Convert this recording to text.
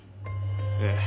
ええ。